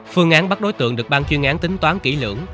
phương án bắt đối tượng được ban chuyên án tính toán kỹ lưỡng